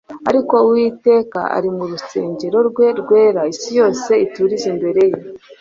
ariko uwiteka ari mu rusengero rwe rwera, isi yose iturize imbere ye